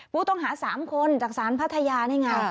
ผู้ต้องหา๓คนจากศาลพัทยานี่ไง